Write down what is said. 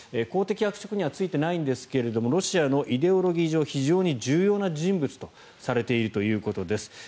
公的役職には就いていないんですがロシアのイデオロギー上非常に重要な人物とされているということです。